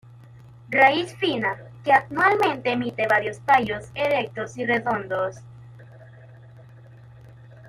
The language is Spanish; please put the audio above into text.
Raíz fina que anualmente emite varios tallos erectos y redondos.